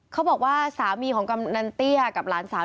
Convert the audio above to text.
เขาบอกว่าสามีของกำนันเตี้ยกับหลานสาว